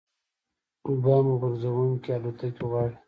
بمب غورځوونکې الوتکې غواړي